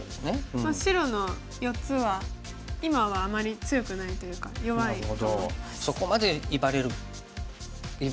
白の４つは今はあまり強くないというか弱いと思います。